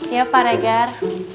iya pak regar